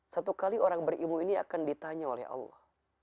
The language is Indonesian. satu kali orang berilmu ini akan ditanya oleh allah